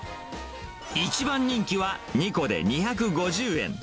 一番人気は２個で２５０円。